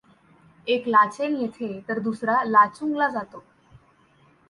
एक लाचेन येथे तर दुसरा लाचुंगला जातो.